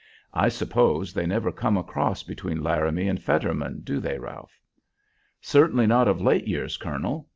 I suppose they never come across between Laramie and Fetterman, do they, Ralph?" "Certainly not of late years, colonel.